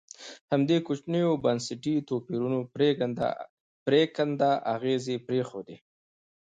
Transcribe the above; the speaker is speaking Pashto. همدې کوچنیو بنسټي توپیرونو پرېکنده اغېزې پرېښودې.